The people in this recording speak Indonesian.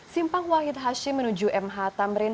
simpang wahid hashim menuju mh tamrin